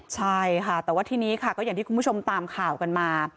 ใช่ค่ะแต่ว่าทีนี้ค่ะก็อย่างที่คุณผู้ชมตามข่าวกันมา